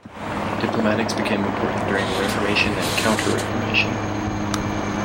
Diplomatics became important during the Reformation and Counter-Reformation.